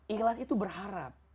ikhlas itu berharap